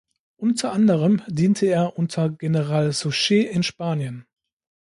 Unter anderem diente er unter General Suchet in Spanien.